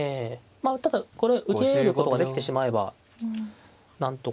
まあただこれ受けることができてしまえばなんとか。